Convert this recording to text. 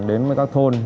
đến với các thôn